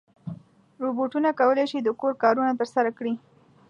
روبوټونه کولی شي د کور کارونه ترسره کړي.